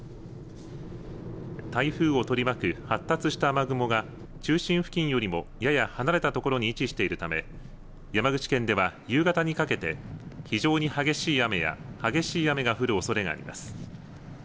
台風を取り巻く発達した雨雲が中心付近よりも、やや離れたところに位置しているため山口県では夕方にかけて非常に激しい雨や激しい雨が降るおそれがあります。